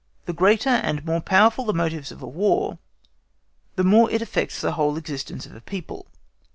The greater and the more powerful the motives of a War, the more it affects the whole existence of a people.